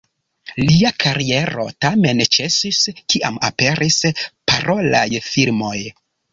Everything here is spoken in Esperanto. Lia kariero tamen ĉesis, kiam aperis parolaj filmoj.